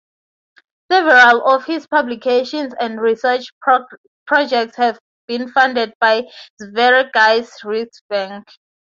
Several of his publications and research projects have been funded by Sveriges riksbank.